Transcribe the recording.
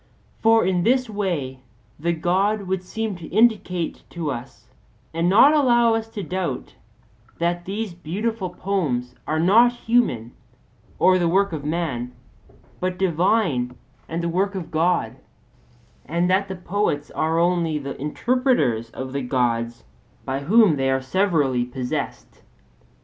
For in this way the God would seem to indicate to us and not allow us to doubt that these beautiful poems are not human, or the work of man, but divine and the work of God; and that the poets are only the interpreters of the Gods by whom they are severally possessed.